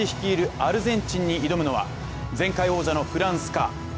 アルゼンチンに挑むのは前回王者のフランスか？